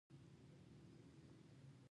ما د ایچ پي پرنټر رنګ تازه کړ.